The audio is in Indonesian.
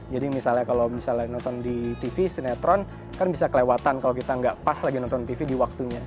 jadi misalnya kalau misalnya nonton di tv sinetron kan bisa kelewatan kalau kita nggak pas lagi nonton tv di waktunya